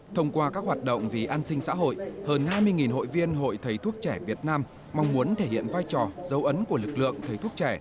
thông qua các hoạt động vì an sinh xã hội hơn hai mươi hội viên hội thầy thuốc trẻ việt nam mong muốn thể hiện vai trò dấu ấn của lực lượng thầy thuốc trẻ